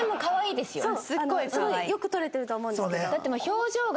すごいよく撮れてると思うんですけど。